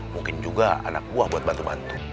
mungkin juga anak buah buat bantu bantu